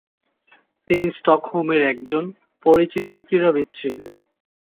তিনি স্টকহোমের একজন পরিচিত ক্রীড়াবিদ ছিলেন।